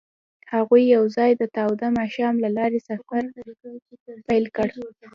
هغوی یوځای د تاوده ماښام له لارې سفر پیل کړ.